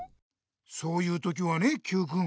そういう時はねＱくん。